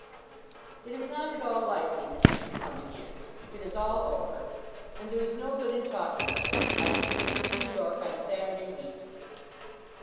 "It is not at all likely that he should come again. It is all over, and there is no good in talking of it. I shall return to New York on Saturday week."